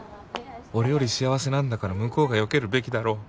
俺より幸せなんだから向こうがよけるべきだろう。